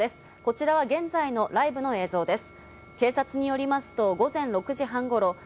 こちらは現在のライブの映像です。